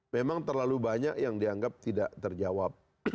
memang terlalu banyak yang dianggap tidak terjawab